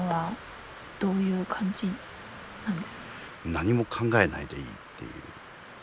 何も考えないでいいっていう。